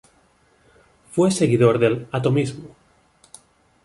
Fue seguidor del "atomismo".